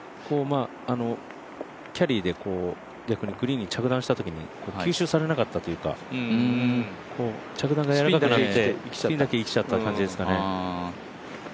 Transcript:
キャリーで、グリーンに着弾したときに、吸収されなかったというか着弾がやわらかくなってスピンだけ生きちゃった感じですかね。